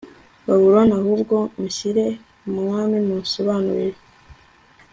Babuloni ahubwo unshyire umwami musobanurire